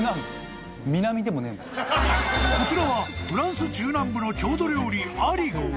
［こちらはフランス中南部の郷土料理アリゴ］